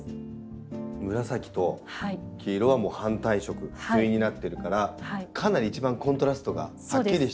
紫と黄色は反対色対になってるからかなり一番コントラストがはっきりしてる。